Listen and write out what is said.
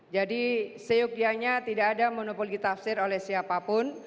jadi seyukdianya tidak ada monopoli tafsir oleh siapapun